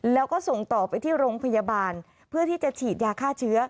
แล้วก็ส่งต่อไปที่โรงพยาบาลเพื่อที่จะฉีดยาฆ่าเชื้อ